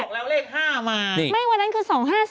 บอกแล้วเลข๕มานี่ไม่ว่านั่นคือ๒๕๔